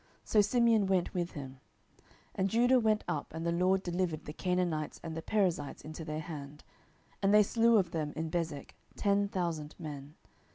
So Simeon went with him. 07:001:004 And Judah went up; and the LORD delivered the Canaanites and the Perizzites into their hand: and they slew of them in Bezek ten thousand men.